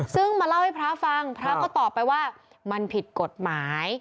ซึ่งมาเล่าให้พระฟังพระก็ตอบไปว่ามันผิดกฎหมาย